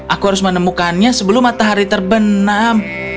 aku harus menemukannya sebelum matahari terbenam